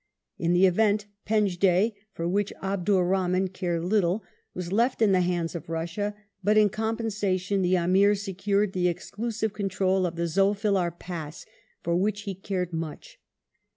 In the event, Penjdeh, for which Abdur Rahman cared little, was left in the hands of Russia, but in compensation the Amir secured the exclusive control of the Zulfillar Pass for which he cared much.